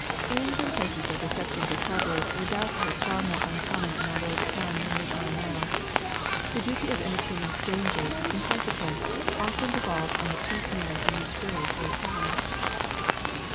'] Inns and places of reception for travellers were doubtless far more uncommon in our Lord's time tlian they are now. The duty of entertaining strangers, in conseq lence, often devolved on the chief man in each village oi town. LUKE, CHAP.